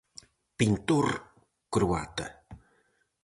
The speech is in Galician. Pintor croata.